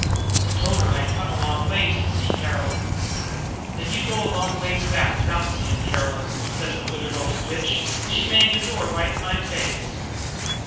I told her I'd come a long ways to see Caroline. 'Then go a long ways back without seeing Caroline,' says this withered old witch, and she banged the door right in my face.